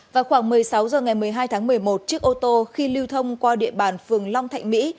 vào khoảng một mươi sáu h ngày một mươi hai tháng một mươi một chiếc ô tô khi lưu thông qua địa bàn phường long thạnh mỹ